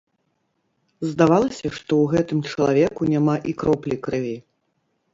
Здавалася, што ў гэтым чалавеку няма і кроплі крыві.